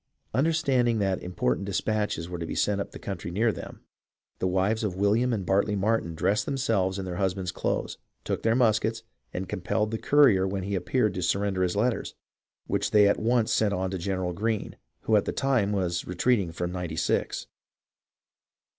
Understand ing that important despatches were to be sent up the country near them, the wives of William and Bartly Martin dressed themselves in their husbands' clothes, took their muskets, and compelled the courier when he appeared to surrender his letters, which they at once sent on to General Greene, who at the time was retreating from Ninety Six.